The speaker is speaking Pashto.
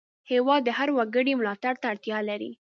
هېواد د هر وګړي ملاتړ ته اړتیا لري.